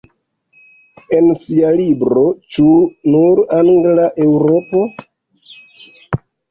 En sia libro "Ĉu nur-angla Eŭropo?